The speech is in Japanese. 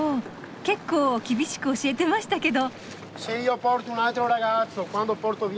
けっこう厳しく教えてましたけど。